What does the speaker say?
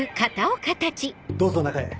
どうぞ中へ。